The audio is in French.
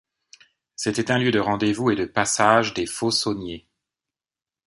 C'était un lieu de rendez-vous et de passage des faux sauniers.